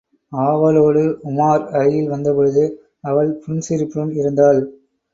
ஆவலோடு உமார் அருகில் வந்தபொழுது அவள் புன்சிரிப்புடன் இருந்தாள்.